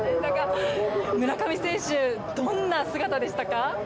村上選手どんな姿でしたか？